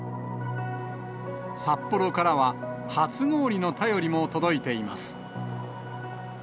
札幌からは初氷の便りも届いています。